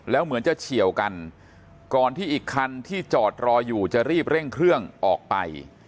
แล้วเหมือนจะเฉียวกันก่อนที่อีกคันที่จอดรออยู่จะรีบเร่งเครื่องออกไป